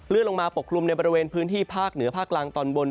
ลงมาปกคลุมในบริเวณพื้นที่ภาคเหนือภาคกลางตอนบน